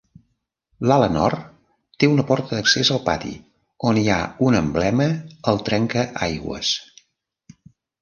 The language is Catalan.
L'ala nord té una porta d'accés al pati on hi ha un emblema al trencaaigües.